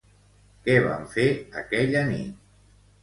Què van fer aquella nit?